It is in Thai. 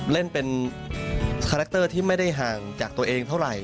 เล่นเป็นคาแรคเตอร์ที่ไม่ได้ห่างจากตัวเองเท่าไหร่